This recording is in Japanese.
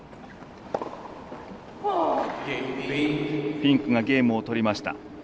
フィンクがゲームを取りました。